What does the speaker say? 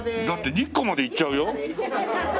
だって日光まで行っちゃうよ？